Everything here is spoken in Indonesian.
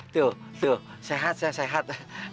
tuh tuh sehat saya sehat